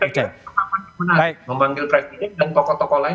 pertama memanggil presiden dan tokoh tokoh lain